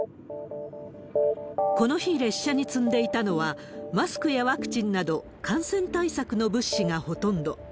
この日、列車に積んでいたのはマスクやワクチンなど、感染対策の物資がほとんど。